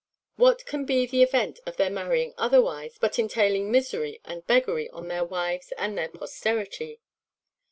What can be the event of their marrying otherwise, but entailing misery and beggary on their wives and their posterity?"